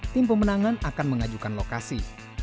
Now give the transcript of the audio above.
tim pemenangan akan mengajukan lokasi